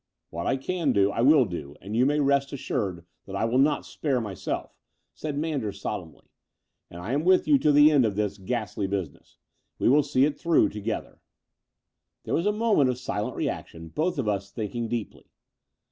''What I can do, I will do, and you may rest assured that I will not spare myself," said Man ders, solemnly; "and I am with you to the end of this ghastly business. We will see 'it through to gether/' There was a moment of silent reaction, both of us thinking deeply.